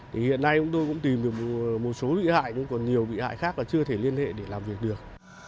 thì hiện nay chúng tôi cũng tìm được một số bị hại nhưng còn nhiều bị hại khác là chưa thể liên hệ để làm việc được